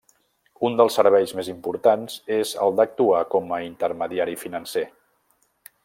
Un dels serveis més importants és el d'actuar com a intermediari financer.